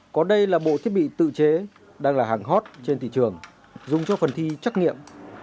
còn đây là bộ thiết bị tự chế đang là hàng hot trên thị trường dùng cho phần thi trắc nghiệm